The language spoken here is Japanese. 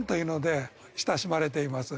親しまれています。